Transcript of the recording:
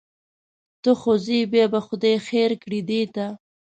ته خو ځې بیا به خدای خیر کړي دې ته.